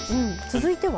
続いては？